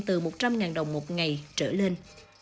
từ một trăm linh đồng một ngày trở lên